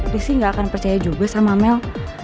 rizky gak akan percaya juga sama mel